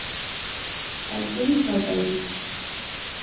একদমই ভয় পাইনি।